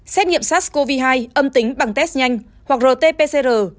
xét nghiệm sars cov hai âm tính bằng test nhanh hoặc rt pcr